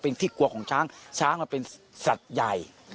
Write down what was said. เป็นที่กลัวของช้างช้างเป็นสัตว์ใหญ่